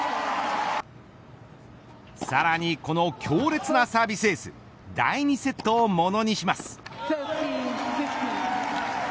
さらにこの強烈なサービスエース第２セットをものにします。